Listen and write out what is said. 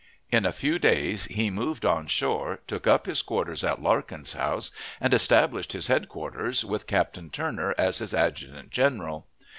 In a few days he moved on shore, took up his quarters at Larkin's house, and established his headquarters, with Captain Turner as his adjutant general.